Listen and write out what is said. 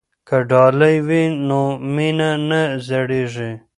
که ډالۍ وي نو مینه نه زړیږي.